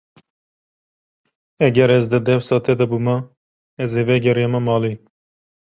Eger ez di dewsa te de bûma, ez ê vegeriyama malê.